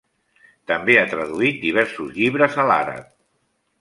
També ha traduït diversos llibres a l'àrab.